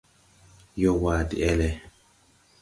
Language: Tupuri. Yo / Yowa Deʼele :